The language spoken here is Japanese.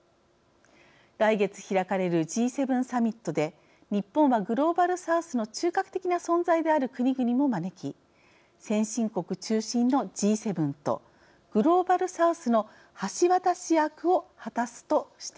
来月開かれるＧ７サミットで日本はグローバルサウスの中核的な存在である国々も招き先進国中心のＧ７とグローバルサウスの橋渡し役を果たすとしています。